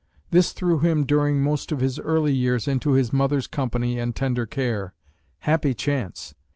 This threw him during most of his early years into his mother's company and tender care. Happy chance!